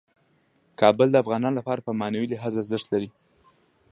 کابل د افغانانو لپاره په معنوي لحاظ ارزښت لري.